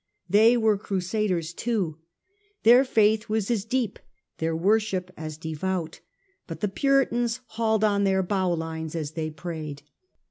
They were crusaders too. Their faith was as deep, their worship as devout ; but the Puritans hauled on their bowlines as they prayed.